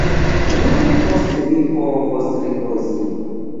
Nur poste mi povos ripozi.